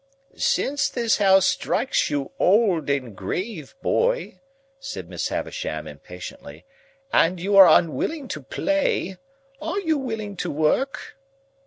"Since this house strikes you old and grave, boy," said Miss Havisham, impatiently, "and you are unwilling to play, are you willing to work?"